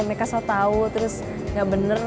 mereka sok tau terus gak bener